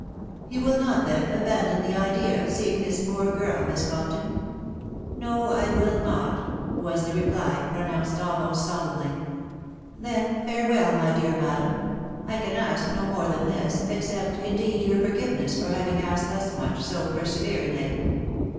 " You will not, then, abandon the idea of seeing this poor girl. Miss Compton?" <f No, I will not," was the reply, pronounced almost so lemnly. '' Then, farewell ! my dear madam ; 1 can ask no more than this, except, indeed, your forgiveness for having asked thus much so perseveringly."